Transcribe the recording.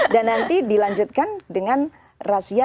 dan nanti dilanjutkan dengan rasia